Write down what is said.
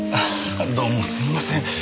あどうもすいません。